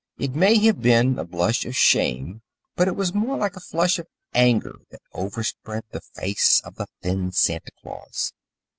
It may have been a blush of shame, but it was more like a flush of anger, that overspread the face of the thin Santa Claus.